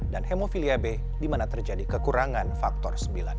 dan hemofilia b di mana terjadi kekurangan faktor sembilan